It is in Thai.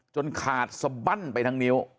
ขาดสบั้นไปทั้งนิ้ว